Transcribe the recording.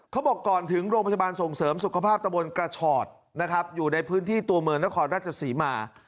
เขาบอกก่อนถึงโรงพยาบาลส่งเสริมสุขภาพตะบนกระชอตนะครับอยู่ในพื้นที่ตัวเมืองนครราชศรีมา